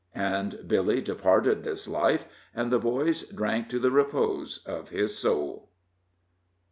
And Billy departed this life, and the boys drank to the repose of his soul.